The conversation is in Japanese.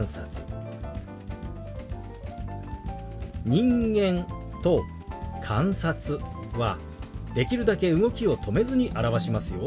「人間」と「観察」はできるだけ動きを止めずに表しますよ。